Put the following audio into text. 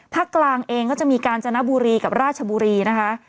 กลางเองก็จะมีการจนบุรีกับราชบุรีนะคะ